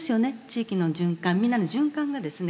地域の循環みんなの循環がですね